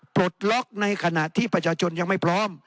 ปลดล็อกในขณะที่ประชาชนยังไม่พร้อม